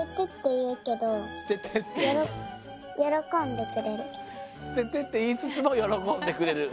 「捨てて」っていいつつもよろこんでくれる。